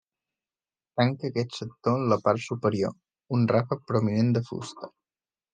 Tanca aquest sector en la part superior, un ràfec prominent de fusta.